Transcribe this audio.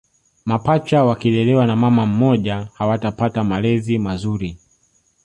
Mapacha wakilelewa na mama mmoja hawatapata malezi mazuri